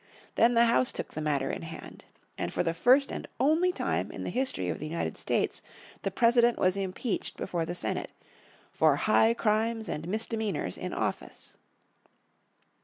Then the House took the matter in hand. And for the first and only time in the history of the United States the President was impeached before the Senate, "for high crimes and misdemeanors in office."